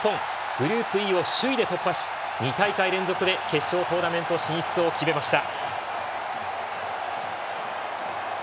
グループＥを首位で突破し２大会連続で決勝トーナメント進出を決めました。